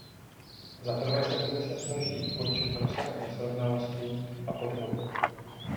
Za prvé se Komise snaží určit rozsah nesrovnalostí a podvodů.